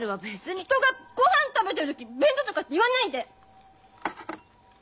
人がごはん食べてる時に便所とかって言わないで！